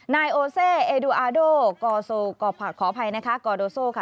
นายโอเซเอดูอาโดกอโซกอผักขออภัยนะคะกอโดโซค่ะ